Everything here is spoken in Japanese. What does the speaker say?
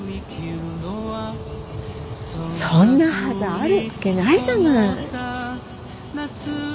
そんなはずあるわけないじゃない。